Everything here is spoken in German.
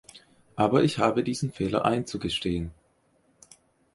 Aber ich habe diesen Fehler einzugestehen.